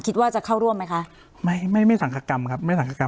คิดว่าจะเข้าร่วมไหมคะไม่ไม่สังคกรรมครับไม่สังฆกรรม